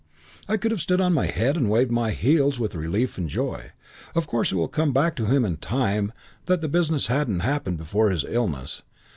"I could have stood on my head and waved my heels with relief and joy. Of course it will come back to him in time that the business hadn't happened before his illness.